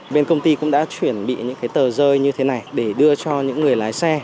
bên công ty cũng đã chuẩn bị những cái tờ rơi như thế này để đưa cho những người lái xe